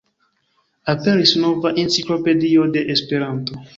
Aperis nova enciklopedio de Esperanto!